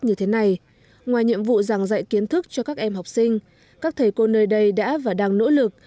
như thế này ngoài nhiệm vụ giảng dạy kiến thức cho các em học sinh các thầy cô nơi đây đã và đang nỗ lực